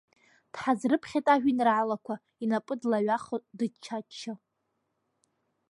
Дҳазрыԥхьеит ажәеинраалақәа, инапы длахаҩахо дычча-ччо.